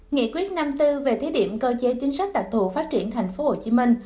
nghị quyết năm tư về thế điểm cơ chế chính sách đặc thù phát triển thành phố hồ chí minh